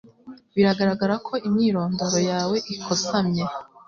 biragaragara ko imyirondoro yawe ikosamye